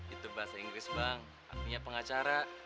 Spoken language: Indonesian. itu bahasa inggris bang artinya pengacara